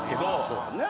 そうやな。